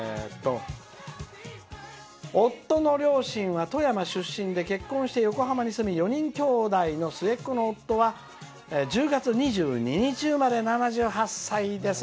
「夫の両親は富山出身で結婚して横浜に住み４人きょうだいの末っ子の夫は１０月２２日生まれ、７８歳です」。